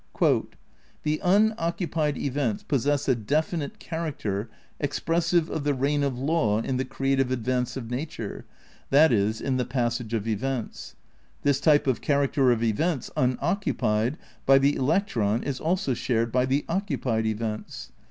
"The unoccupied events possess a definite character expressive of the reign of law in the creative advance of nature, i. e., in the passage of events. This type of character of events unoccupied by the electron is also shared by the occupied events.